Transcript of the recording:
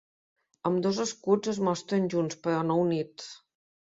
Ambdós escuts es mostren junts, però no units.